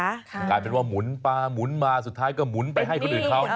กลายเป็นว่าหมุนปลาหมุนมาสุดท้ายก็หมุนไปให้คนอื่นเขา